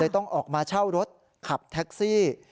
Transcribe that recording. ต้องออกมาเช่ารถขับแท็กซี่